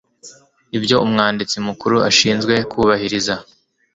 ibyo umwanditsi mukuru ashinzwe kubahiriza